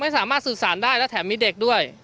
สามารถสื่อสารได้และแถมมีเด็กด้วย